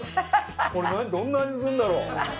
これどんな味するんだろう？ハハハ！